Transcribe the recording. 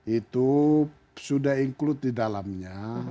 itu sudah include di dalamnya